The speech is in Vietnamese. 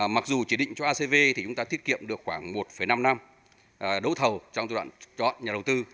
mặc dù chỉ định cho acv thì chúng ta thiết kiệm được khoảng một năm năm đấu thầu trong giai đoạn chọn nhà đầu tư